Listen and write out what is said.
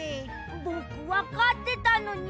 ぼくわかってたのに。